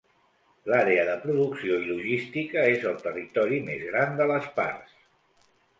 L'àrea de producció i logística és el territori més gran de les parts.